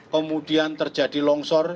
kemudian terjadi longsor